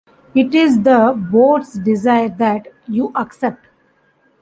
It is the board's desire that you accept.